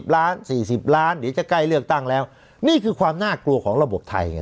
๔๐ล้านเดี๋ยวจะใกล้เลือกตั้งแล้วนี่คือความน่ากลัวของระบบไทยไง